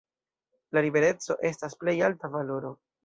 La libereco estas plej alta valoro.